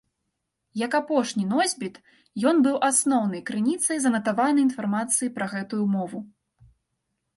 Як апошні носьбіт, ён быў асноўнай крыніцай занатаванай інфармацыі пра гэтую мову.